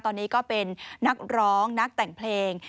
ตอนนี้ก็เป็นนักร้องนักแต่งเพลง